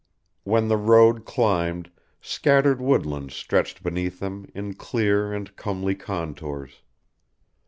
When the road climbed, scattered woodlands stretched beneath them in clear and comely contours.